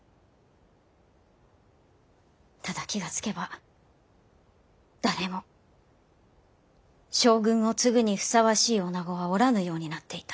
ただ気が付けば誰も将軍を継ぐにふさわしい女子はおらぬようになっていた。